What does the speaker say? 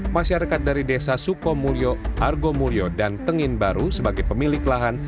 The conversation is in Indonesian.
masyarakat dari desa sukomulyo argomulyo dan tengin baru sebagai pemilik lahan